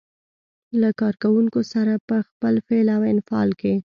له کار کوونکو سره په خپل فعل او انفعال کې.